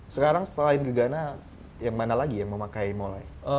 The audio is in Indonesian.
sekarang setelah gegana yang mana lagi yang memakai mulai